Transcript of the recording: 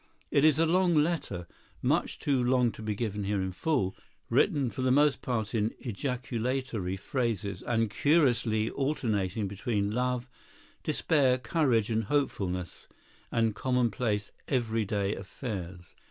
It is a long letter, much too long to be given here in full, written for the most part in ejaculatory phrases, and curiously alternating between love, despair, courage and hopefulness and commonplace, everyday affairs.